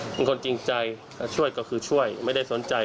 เป็นคนจริงใจช่วยก็คือช่วยไม่ได้สนใจ